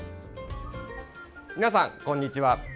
皆さん、こんにちは。